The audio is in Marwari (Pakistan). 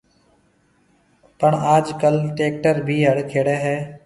پڻ آج ڪل ٽيڪٽر ڀِي هڙ کيڙيَ هيَ۔